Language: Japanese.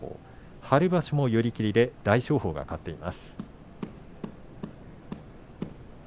春場所も寄り切りで大翔鵬が勝っています。